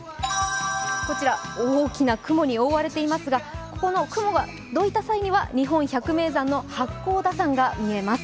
こちら、大きな雲に覆われていますが、ここの雲がどいた際には日本百名山の八甲田山が見えます。